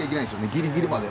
ギリギリまで。